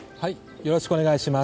よろしくお願いします。